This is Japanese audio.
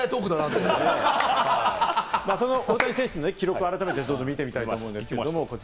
大谷選手の記録を改めて見てみたいと思います。